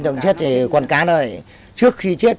chồng chết thì con cá đó trước khi chết